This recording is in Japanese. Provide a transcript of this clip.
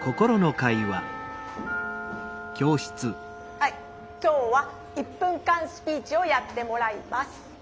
はい今日は一分間スピーチをやってもらいます。